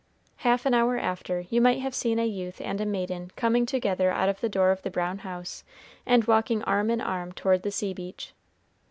Half an hour after, you might have seen a youth and a maiden coming together out of the door of the brown house, and walking arm in arm toward the sea beach.